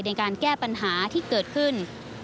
ในการแก้ปัญหาที่เกิดขึ้น